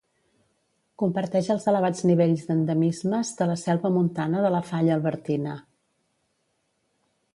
Comparteix els elevats nivells d'endemismes de la selva montana de la falla Albertina.